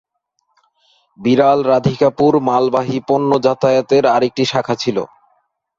বিরাল-রাধিকাপুর মালবাহী পণ্য যাতায়াতের আরেকটি শাখা ছিল।